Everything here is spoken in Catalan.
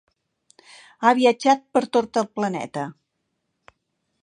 Ha viatjat per tot el planeta.